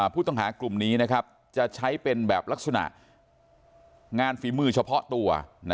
ผู้ต้องหากลุ่มนี้จะใช้เป็นแบบลักษณะงานฝีมือเฉพาะตัว